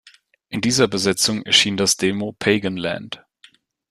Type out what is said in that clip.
In dieser Besetzung erschien das Demo "Pagan Land".